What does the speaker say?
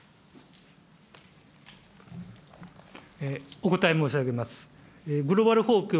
お答え申し上げます。